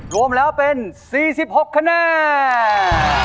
รวมแล้วเป็น๔๖คะแนน